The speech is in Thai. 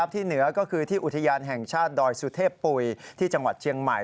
ที่เหนือก็คือที่อุทยานแห่งชาติดอยสุเทพปุ๋ยที่จังหวัดเชียงใหม่